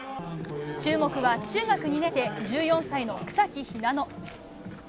注目は中学２年生、１４歳の草木ひなの。